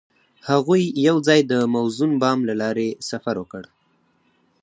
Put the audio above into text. هغوی یوځای د موزون بام له لارې سفر پیل کړ.